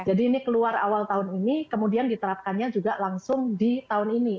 jadi ini keluar awal tahun ini kemudian diterapkannya juga langsung di tahun ini